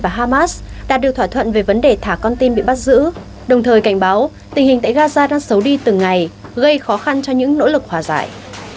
và hamas đạt được thỏa thuận về vấn đề thả con tin bị bắt giữ đồng thời cảnh báo tình hình tại gaza đang xấu đi từng ngày gây khó khăn cho những nỗ lực hòa giải